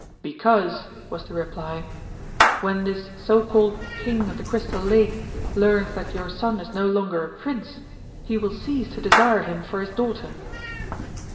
"Because," was the reply, "when this so called King of the Crystal Lake learns that your son is no longer a Prince, he will cease to desire him for his daughter."